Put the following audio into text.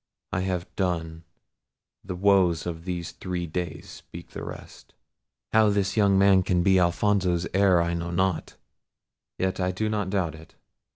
I have done—the woes of these three days speak the rest. How this young man can be Alfonso's heir I know not—yet I do not doubt it.